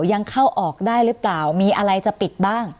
ยังเข้าออกได้หรือเปล่ามีอะไรจะปิดบ้าง